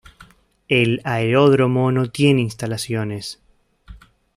El aeródromo no tiene instalaciones.